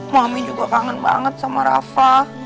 mami juga kangen banget sama rafa